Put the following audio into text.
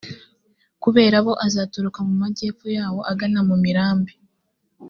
kubera bo aza aturuka mu majyepfo yawo agana mu mirambi.